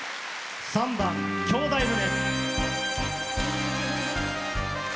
３番「兄弟船」。